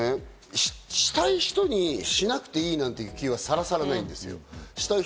したい人にしなくていいという気はさらさらないんです。